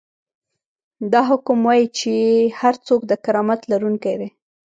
دا حکم وايي چې هر څوک د کرامت لرونکی دی.